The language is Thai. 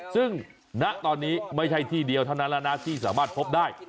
ซึ่งณตอนนี้ไม่ใช่ที่เดียวเท่านั้นแล้วนะที่สามารถพบได้